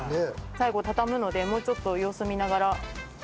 最後畳むのでもうちょっと様子見ながら。